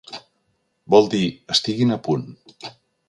Vol dir «estiguin a punt».